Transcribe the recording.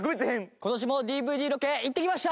今年もＤＶＤロケ行ってきました。